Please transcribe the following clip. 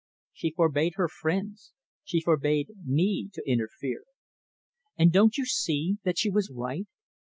She forbade her friends she forbade me to interfere. And don't you see that she was right?